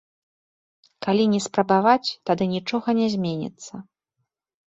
Калі не спрабаваць, тады нічога не зменіцца.